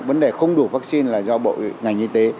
vấn đề không đủ vaccine là do bộ ngành y tế